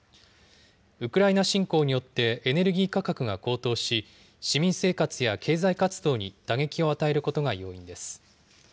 ウクライナ侵攻によってエネルギー価格が高騰し、市民生活や経済活動に打撃を与えることが要因です。